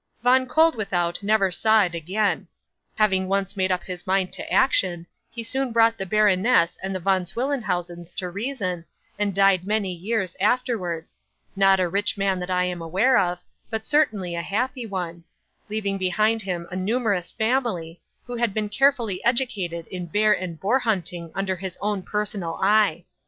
'Von Koeldwethout never saw it again. Having once made up his mind to action, he soon brought the baroness and the Von Swillenhausens to reason, and died many years afterwards: not a rich man that I am aware of, but certainly a happy one: leaving behind him a numerous family, who had been carefully educated in bear and boar hunting under his own personal eye.